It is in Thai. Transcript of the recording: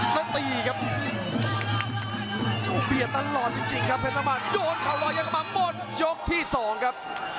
ต้องตีครับโอ้โหเบียดตลอดจริงครับเพชรสร้างบ้านโดนเขาลอยยังกลับมาบนยกที่สองครับ